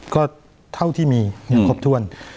ก็เท่าที่มีอย่างครบถ้วน